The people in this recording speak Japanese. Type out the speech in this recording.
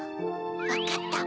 わかった！